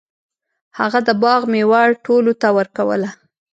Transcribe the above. هغه د باغ میوه ټولو ته ورکوله.